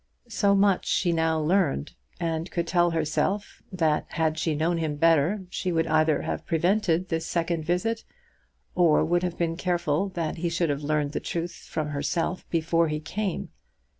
So much she now learned, and could tell herself that had she known him better she would either have prevented this second visit, or would have been careful that he should have learned the truth from herself before he came.